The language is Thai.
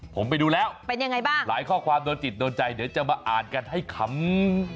ผมไปดูแล้วหลายข้อความโดนจิตโดนใจเดี๋ยวจะมาอ่านกันให้คำ